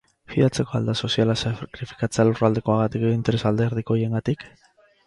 Fidatzekoa al da soziala sakrifikatzea lurraldekoagatik edo interes alderdikoiengatik?